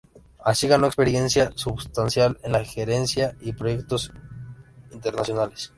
Así ganó experiencia substancial en la gerencia de proyectos internacionales.